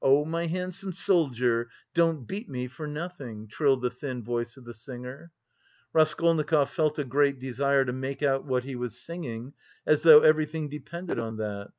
"Oh, my handsome soldier Don't beat me for nothing," trilled the thin voice of the singer. Raskolnikov felt a great desire to make out what he was singing, as though everything depended on that.